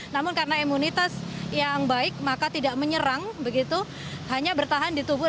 namun karena imunitas yang baik maka tidak menyerang begitu hanya bertahan di tubuh